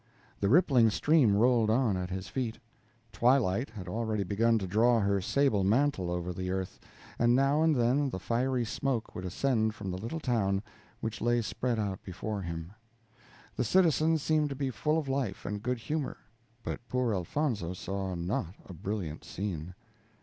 The rippling stream rolled on at his feet. Twilight had already begun to draw her sable mantle over the earth, and now and then the fiery smoke would ascend from the little town which lay spread out before him. The citizens seemed to be full of life and good humor; but poor Elfonzo saw not a brilliant scene.